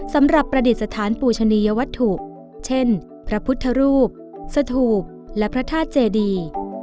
ประดิษฐานปูชนียวัตถุเช่นพระพุทธรูปสถูปและพระธาตุเจดี